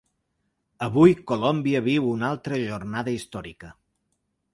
Avui Colòmbia viu una altra jornada històrica.